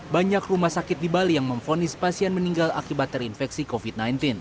banyak rumah sakit di bali yang memfonis pasien meninggal akibat terinfeksi covid sembilan belas